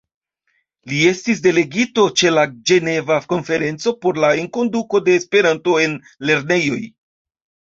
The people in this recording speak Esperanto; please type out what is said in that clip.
Li estis delegito ĉe la Ĝeneva konferenco por la enkonduko de Esperanto en lernejoj.